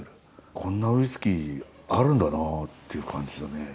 こんなウイスキーあるんだなっていう感じだね。